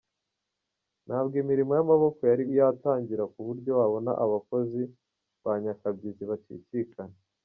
Ntabwo imirimo y’amaboko yari yatangira ku buryo wabona abakozi ba nyakabyizi bacicikana.